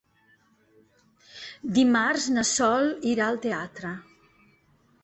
Dimarts na Sol irà al teatre.